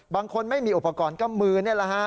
ไม่มีอุปกรณ์ก็มือนี่แหละฮะ